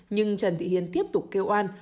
nhưng trần thị hiền tiếp tục kêu an